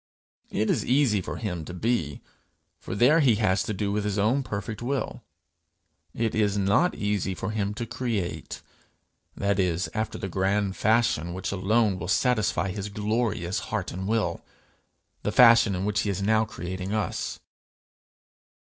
It is easy for him to be, for there he has to do with his own perfect will: it is not easy for him to create that is, after the grand fashion which alone will satisfy his glorious heart and will, the fashion in which he is now creating us.